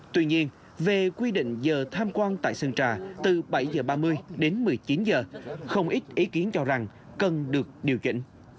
tuy nhiên về quy định giờ tham quan tại sơn trà từ bảy h ba mươi đến một mươi chín h không ít ý kiến cho rằng cần được điều chỉnh